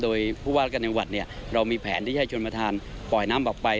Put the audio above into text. โดยผู้ว่ากำเนียมหวัดเรามีแผนที่ให้ชนมาทานปล่อยน้ำออกไป